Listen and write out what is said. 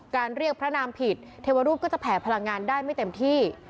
เรียกพระนามผิดเทวรูปก็จะแผ่พลังงานได้ไม่เต็มที่